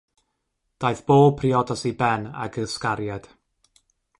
Daeth bob priodas i ben ag ysgariad.